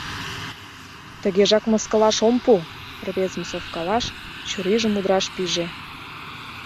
Тыгежак мыскылаш ом пу! — рвезым совкалаш, чурийжым удыраш пиже.